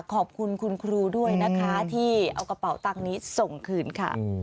ขอบคุณคุณครูด้วยนะคะที่เอากระเป๋าตังค์นี้ส่งคืนค่ะ